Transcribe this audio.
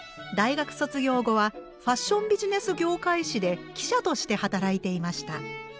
大学卒業後はファッションビジネス業界紙で記者として働いていました。